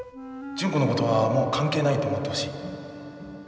純子のことはもう関係ないと思ってほしい。